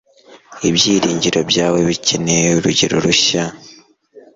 ibyiringiro byawe bikeneye urwego rushya